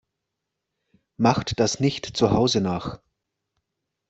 Macht das nicht zu Hause nach!